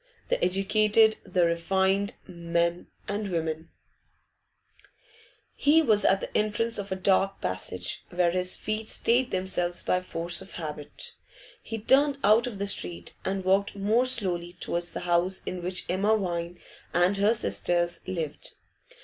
The educated, the refined, men and women He was at the entrance of a dark passage, where his feet stayed themselves by force of habit. He turned out of the street, and walked more slowly towards the house in which Emma Vine and her sisters lived.